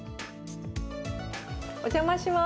お邪魔します。